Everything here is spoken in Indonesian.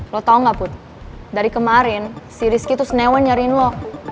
lo tau gak put dari kemarin si rizky tuh snewen nyariin lo